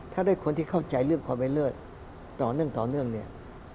ถ้าได้คนที่เข้าใจเรื่องความแม่เลิศต่อเนื่องเนี่ย